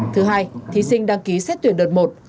thứ hai thí sinh đăng ký xét tuyển đợt một